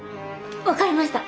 分かりました。